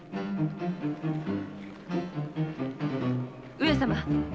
上様。